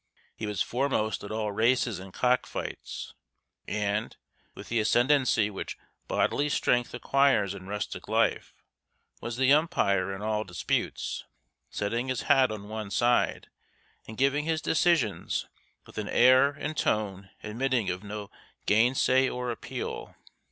He was foremost at all races and cockfights, and, with the ascendancy which bodily strength acquires in rustic life, was the umpire in all disputes, setting his hat on one side and giving his decisions with an air and tone admitting of no gainsay or appeal.